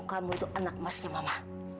kamu itu anak emasnya mama